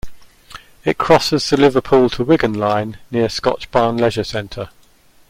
It crosses the Liverpool to Wigan Line near Scotchbarn Leisure Centre.